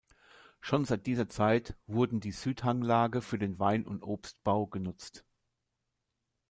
Schon seit dieser Zeit wurden die Südhanglage für den Wein- und Obstbau genutzt.